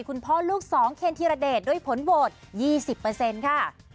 คุณพ่อลูก๒เคณฑิราเดชด้วยผลโวทย์๒๐ค่ะ